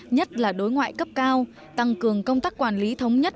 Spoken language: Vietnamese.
nhất là đối ngoại cấp cao tăng cường công tác quản lý thống nhất